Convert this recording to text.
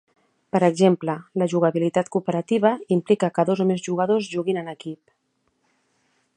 Per exemple, la jugabilitat "cooperativa" implica que dos o més jugadors juguin en equip.